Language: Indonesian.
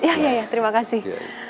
iya iya terima kasih